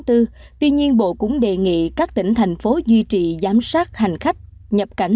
tuy nhiên bộ cũng đề nghị các tỉnh thành phố duy trì giám sát hành khách nhập cảnh